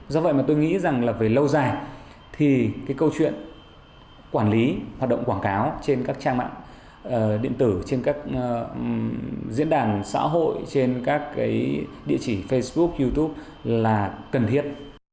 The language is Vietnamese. do vậy mà tôi nghĩ rằng là về lâu dài thì cái câu chuyện quản lý hoạt động quảng cáo trên các trang mạng điện tử trên các diễn đàn xã hội trên các cái địa chỉ facebook youtube là cần thiết